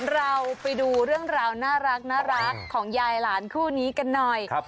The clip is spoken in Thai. เราไปดูเรื่องราวน่ารักของยายหลานคู่นี้กันหน่อย